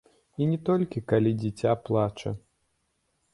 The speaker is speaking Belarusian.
І не толькі калі дзіця плача.